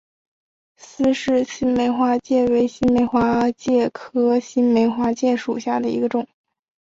斯氏新梅花介为新梅花介科新梅花介属下的一个种。